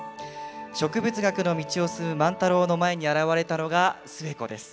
植物学の道を進む万太郎の前に現れたのが寿恵子です。